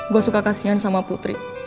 gue suka kasihan sama putri